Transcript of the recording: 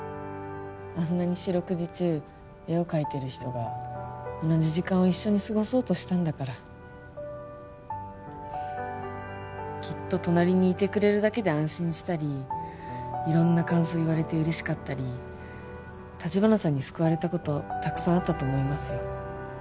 あんなに四六時中絵を描いてる人が同じ時間を一緒に過ごそうとしたんだからきっと隣にいてくれるだけで安心したり色んな感想言われて嬉しかったり橘さんに救われたことたくさんあったと思いますよ